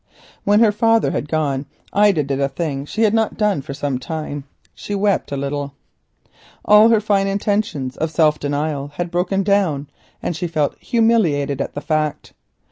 When her father had gone Ida did a thing she had not done for some time—she wept a little. All her fine intentions of self denial had broken down, and she felt humiliated at the fact.